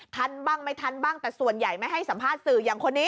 ทันบ้างไม่ทันบ้างแต่ส่วนใหญ่ไม่ให้สัมภาษณ์สื่ออย่างคนนี้